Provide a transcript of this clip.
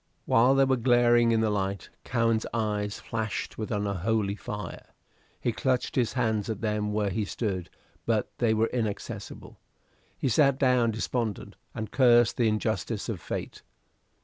While they were glaring in the light, Cowen's eyes flashed with unholy fire. He clutched his hands at them where he stood, but they were inaccessible. He sat down despondent, and cursed the injustice of fate.